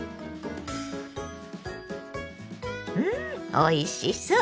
うんおいしそう！